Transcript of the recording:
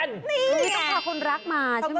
นี่ต้องพาคนรักมาใช่ไหม